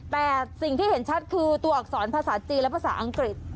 แต่สิ่งที่เห็นชัดคือตัวอักษรภาษาจีนและภาษาอังกฤษ